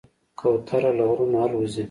کوتره له غرونو الوزي.